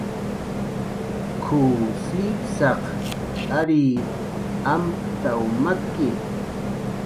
"K""uw sipsaq ariy amptaw maki"